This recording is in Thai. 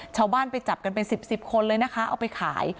ชาวบ้านไปจับกันเป็น๑๐คนเลยนะคะเอาไปขาย